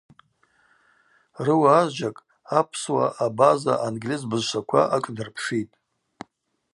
Рыуа азджьакӏ апсуа, абаза, ангьльыз бызшваква ашӏдырпшитӏ.